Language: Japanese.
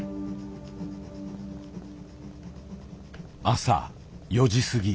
朝４時過ぎ。